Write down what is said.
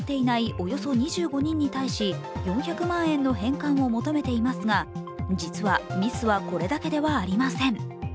およそ２５人に対し、４００万円の返還を求めていますが、実はミスはこれだけではありません。